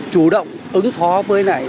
chủ động ứng phó với này